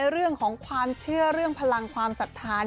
เรื่องของความเชื่อเรื่องพลังความศรัทธา